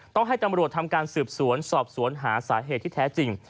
ต้องให้ตำรวจทำการสืบสวนสอบสวนหาสาเหตุที่แท้จริง